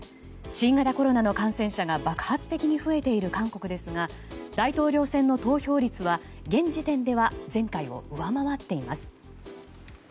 新型コロナの感染者が爆発的に増えている韓国ですが大統領選の投票率は現時点では前回を上回っています。